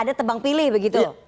ada tebang pilih begitu